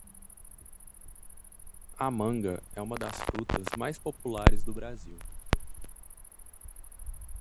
A manga é uma das frutas mais populares do Brasil.